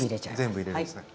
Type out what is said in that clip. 全部入れるんですね。